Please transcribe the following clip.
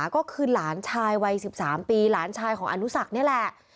ก็คือหลานชายวัย๑๓ปีหลานชายของอนุสักนี่แหละ